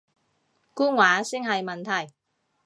官話先係問題